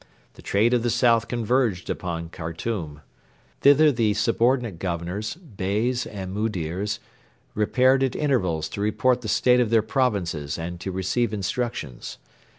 The trade of the south converged upon Khartoum. Thither the subordinate governors, Beys and Mudirs, repaired at intervals to report the state of their provinces and to receive instructions.